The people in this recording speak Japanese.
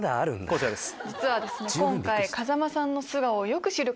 こちらです。